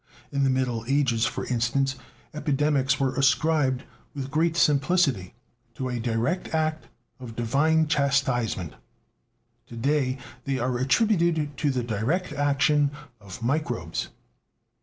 In the Middle Ages, for instance, epidemics were ascribed with great simplicity, to a direct act of divine chastisement; to day they are attributed to the direct action of microbes.